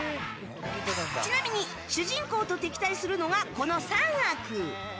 ちなみに、主人公と敵対するのがこの三悪。